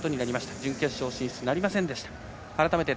準決勝進出はなりませんでした。